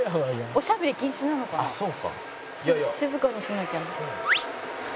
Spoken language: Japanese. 「静かにしなきゃ」